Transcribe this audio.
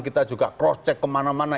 kita juga cross check kemana mana